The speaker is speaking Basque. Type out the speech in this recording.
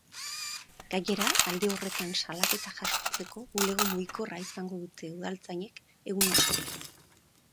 Gainera, alde horretan salaketak jasotzeko bulego mugikorra izango dute udaltzainek egun osoan.